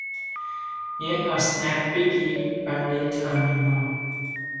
یه اسنپ بگیر برای ترمینال